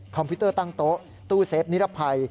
พิวเตอร์ตั้งโต๊ะตู้เซฟนิรภัย